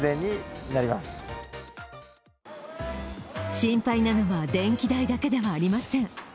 心配なのは電気代だけではありません。